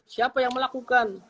siapa yang melakukan